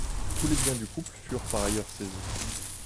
Tous les biens du couple furent par ailleurs saisis.